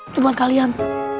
itu buat kalian